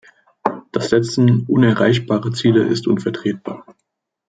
Das Setzen unerreichbarer Ziele ist unvertretbar.